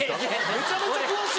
めちゃめちゃ詳しい。